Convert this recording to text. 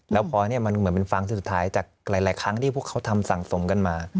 แล้วพอนี่มันเหมือนเป็นฟังสุดท้ายจากหลายครั้งที่พวกเขาทำสั่งสมกันมา